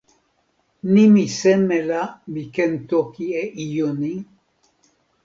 nimi seme la mi ken toki e ijo ni?